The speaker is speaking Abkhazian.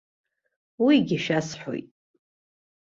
Уигьы шәасҳәоит.